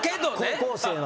高校生の。